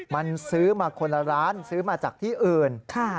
มันซื้อมาคนละร้านซื้อมาจากที่อื่น